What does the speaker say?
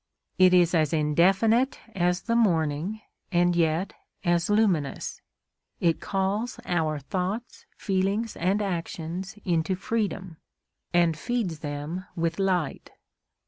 It is as indefinite as the morning, and yet as luminous; it calls our thoughts, feelings, and actions into freedom, and feeds them with light.